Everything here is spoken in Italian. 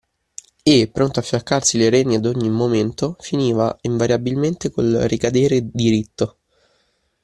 E, pronto a fiaccarsi le reni ad ogni momento, finiva, invariabilmente, col ricadere diritto.